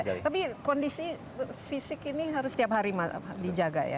tapi kondisi fisik ini harus setiap hari dijaga ya